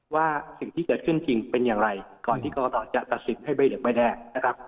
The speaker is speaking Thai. ว่าสิ่งที่เกิดขึ้นจริงเป็นอย่างไรก่อนที่กรณ์ตอบจะตัดสินให้ใบเหล็กใบแดง